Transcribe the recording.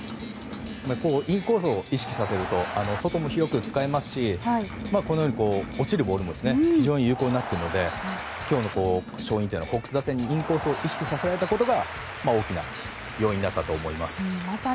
インコースを意識させると外も広く使えますしこのように落ちるボールも非常に有効になってくるので今日の勝因は、ホークス打線にインコースを意識させられたことが大きな要因だったかと思います。